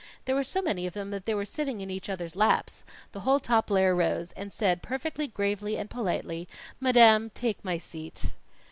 There were so many of them that they were sitting in each other's laps. The whole top layer rose, and said perfectly gravely and politely: 'Madame, take my seat.'